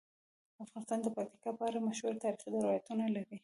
افغانستان د پکتیکا په اړه مشهور تاریخی روایتونه لري.